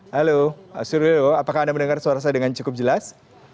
halo suryo apakah anda mendengar suara saya dengan cukup jelas